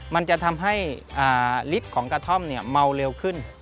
มันจะทำให้ฤทธิ์ของกระท่อมเมาเร็วขึ้น